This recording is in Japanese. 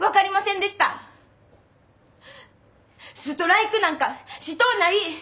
ストライクなんかしとうない！